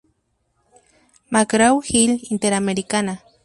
Mcgraw-Hill Interamericana.-